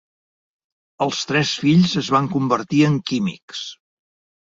Els tres fills es van convertir en químics.